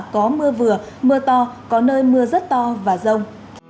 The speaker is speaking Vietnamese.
có mưa vừa mưa to có nơi mưa rất to và rông